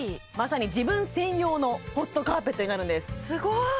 まさに自分専用のホットカーペットになるんですすごい！